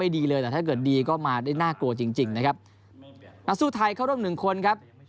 ดีเลยแต่ถ้าเกิดดีก็มาได้น่ากลัวจริงจริงนะครับนักสู้ไทยเข้าร่วมหนึ่งคนครับ